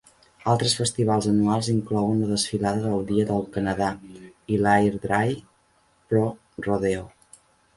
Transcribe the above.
Altres festivals anuals inclouen la desfilada del Dia del Canadà i l'Airdrie Pro Rodeo.